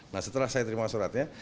nah setelah saya terima suratnya